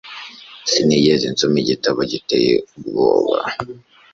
Sinigeze nsoma igitabo giteye ubwoba.